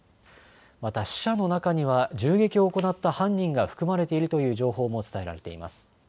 また死者の中には銃撃を行った犯人が含まれているという情報も伝えられています。